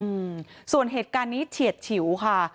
อืมส่วนเหตุการณ์นี้เฉียดฉิวค่ะ